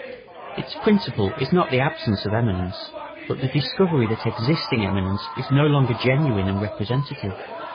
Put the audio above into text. Its principle is not the absence of eminence, but the discovery that existing eminence is no longer genuine and representative.